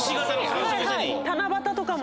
七夕とかも。